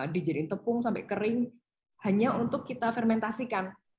dijadikan tepung sampai kering hanya untuk kita fermentasikan